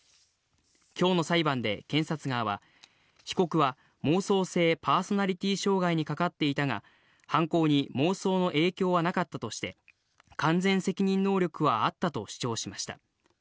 きょうの裁判で検察側は、被告は妄想性パーソナリティ障害にかかっていたが、犯行に妄想の影響はなかったとして、完全責任能力はあったと主張しました。